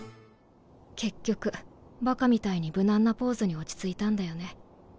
結局バカみたいに無難なポーズに落ち着いたんだよね。